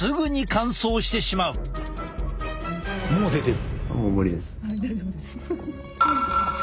もう出てる。